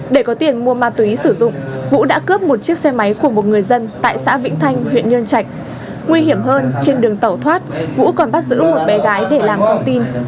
để có tiền mua ma túy sử dụng vũ đã cướp một chiếc xe máy của một người dân tại xã vĩnh thanh huyện nhân trạch nguy hiểm hơn trên đường tẩu thoát vũ còn bắt giữ một bé gái để làm con tin